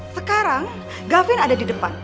sekarang gavin ada di depan